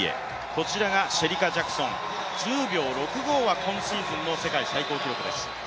こちらがシェリカ・ジャクソン１０秒６５は今シーズンの世界最高記録です。